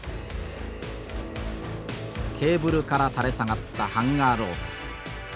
ケーブルから垂れ下がったハンガー・ロープ。